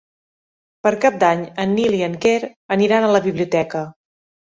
Per Cap d'Any en Nil i en Quer aniran a la biblioteca.